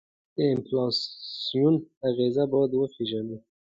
د انفلاسیون اغیزې باید وپیژنو.